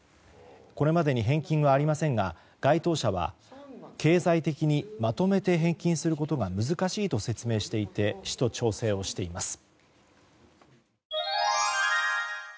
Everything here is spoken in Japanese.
これまでに返金はありませんが該当者は経済的にまとめて返金することが難しいと説明していて市と調整をしています。